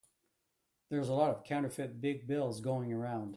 There's a lot of counterfeit big bills going around.